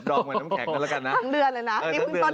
ทำเดือนเลยนะรีบขึ้นต้นเดือนเลย